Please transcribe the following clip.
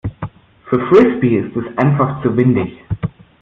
Für Frisbee ist es einfach zu windig.